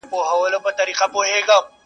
o ما کتلی په ورغوي کي زما د ارمان پال دی,